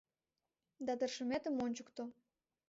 Да тыршыметым ончыкто!»